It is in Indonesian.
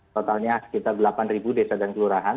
totalnya sekitar delapan desa dan kelurahan